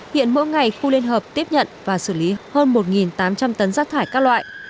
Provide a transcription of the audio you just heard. hiện mỗi ngày khu liên hợp tiếp nhận và xử lý hơn một tám trăm linh tấn rác thải các loại